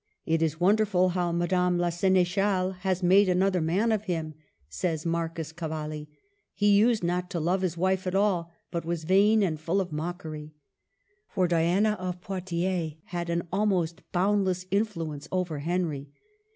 " It is wonderful how Madame la Seneschale has made another man of him," says Marcus .Cavalli. " He used not to love his wife at all, but was vain and full of mockery." For Diana of Poictiers had an almost bound less influence over Henry.